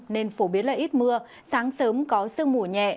nên phổ biến là ít mưa sáng sớm có sương mù nhẹ